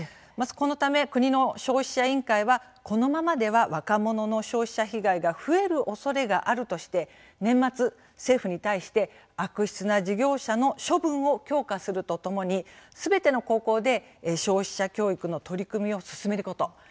このため国の消費者委員会がこのままでは若者の消費者被害が増えるおそれがあるとして年末、政府に対して悪質な事業者の処分を強化するとともにすべての高校で消費者教育の取り組みを進めること。